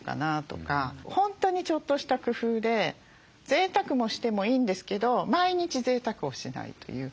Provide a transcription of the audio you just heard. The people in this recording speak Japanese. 本当にちょっとした工夫でぜいたくもしてもいいんですけど毎日ぜいたくをしないという。